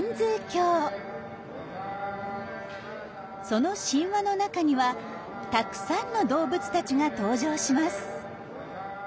その神話の中にはたくさんの動物たちが登場します。